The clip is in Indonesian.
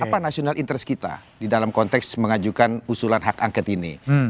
apa national interest kita di dalam konteks mengajukan usulan hak angket ini